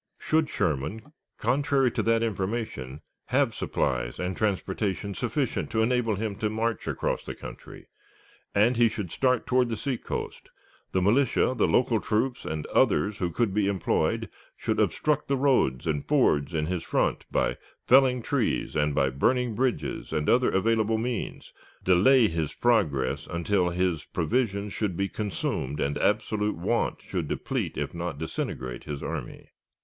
Should Sherman, contrary to that information, have supplies and transportation sufficient to enable him to march across the country, and he should start toward the seacoast, the militia, the local troops, and others who could be employed, should obstruct the roads and fords in his front by felling trees, and, by burning bridges and other available means, delay his progress until his provisions should be consumed and absolute want should deplete if not disintegrate his army.